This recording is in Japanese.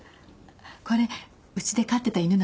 これうちで飼ってた犬なんです。